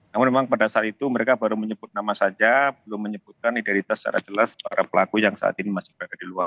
namun memang pada saat itu mereka baru menyebut nama saja belum menyebutkan identitas secara jelas para pelaku yang saat ini masih berada di luar